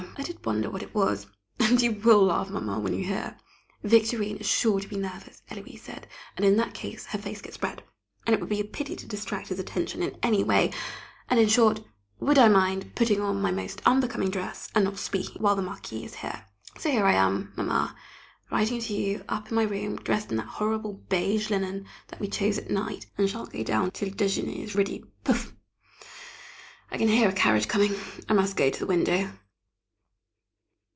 I did wonder what it was! And you will laugh, Mamma, when you hear! Victorine is sure to be nervous, Héloise said, and in that case her face gets red, and it would be a pity to distract his attention in any way, and in short would I mind putting on my most unbecoming dress, and not speaking while the Marquis is here? [Sidenote: The Fiancé Appears] So here I am, Mamma, writing to you up in my room, dressed in that horrid beige linen that we chose at night, and I shan't go down till déjeûner is ready, pouf! I can hear a carriage coming, I must go to the window.